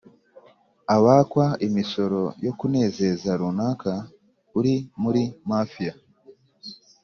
abakwa imisoro yo kunezeza runaka uri muri mafiya,